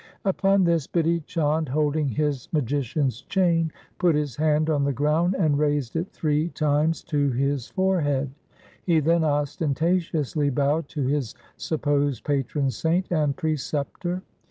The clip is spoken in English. Upon this Bidhi Chand, holding his magician's chain, put his hand on the ground and raised it three times to his forehead. He then ostentatiously bowed to his supposed patron saint and preceptor.